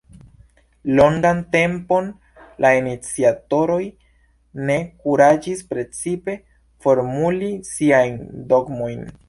Longan tempon la iniciatoroj ne kuraĝis precize formuli siajn dogmojn.